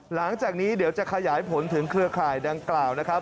หลังจากนี้เดี๋ยวจะขยายผลถึงเครือข่ายดังกล่าวนะครับ